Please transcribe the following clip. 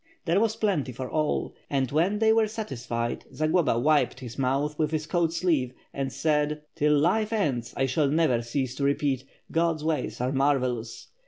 There was plenty for all, and when they were satisfied, Za globa wiped his mouth with his coat sleeve, and said: "Till life ends, I shall never cease to repeat, God's ways are marvellous.